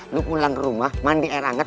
lu pulang ke rumah mandi air anget